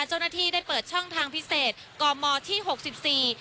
เจ้าหน้าที่ได้เปิดช่องทางพิเศษกมที่หกสิบสี่